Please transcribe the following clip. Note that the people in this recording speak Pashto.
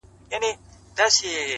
گراني دا هيله كوم؛